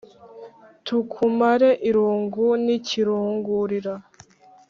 Tukumare irungu n'ikirungurira